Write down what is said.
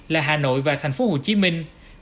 là hà nội và thành phố hồ chí minh